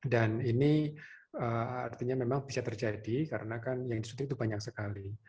dan ini artinya memang bisa terjadi karena kan yang disuntik itu banyak sekali